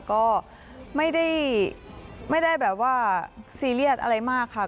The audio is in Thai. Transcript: ก็ไม่ได้แบบว่าซีเรียสอะไรมากค่ะ